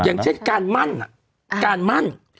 อย่างเช่นการมั่น